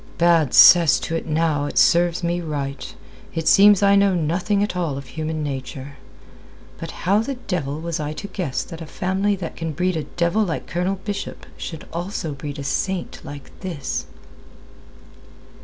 "Bad cess to it now, it serves me right. It seems I know nothing at all of human nature. But how the devil was I to guess that a family that can breed a devil like Colonel Bishop should also breed a saint like this?"